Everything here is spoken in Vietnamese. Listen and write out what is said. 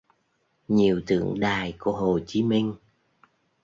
nhiều tượng đài của Hồ Chí Minh